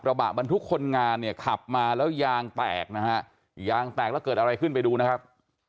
บะบรรทุกคนงานเนี่ยขับมาแล้วยางแตกนะฮะยางแตกแล้วเกิดอะไรขึ้นไปดูนะครับ